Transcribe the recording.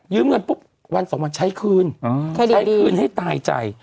เงินปุ๊บวันสองวันใช้คืนใช้คืนให้ตายใจ